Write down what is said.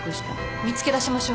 見つけ出しましょう。